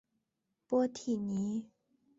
波蒂尼。